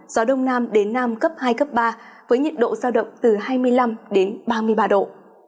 gió đông nam đến nam cấp hai cấp ba với nhiệt độ giao động từ hai mươi năm đến ba mươi ba độ